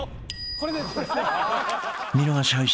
これです。